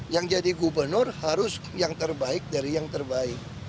yang jadi gubernur harus yang terbaik dari yang terbaik